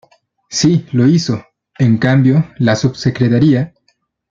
Sí lo hizo, en cambio, la subsecretaría.